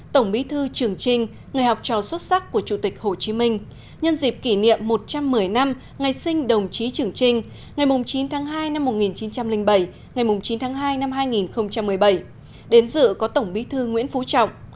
tổng bí thư trường trinh người học trò xuất sắc của chủ tịch hồ chí minh nhân dịp kỷ niệm một trăm một mươi năm ngày sinh đồng chí trường trinh ngày chín tháng hai năm một nghìn chín trăm linh bảy ngày chín tháng hai năm hai nghìn một mươi bảy đến dự có tổng bí thư nguyễn phú trọng